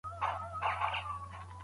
راكړې په خولګۍ كي ګراني !